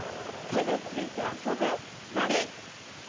てでついてあそぶ「まり」。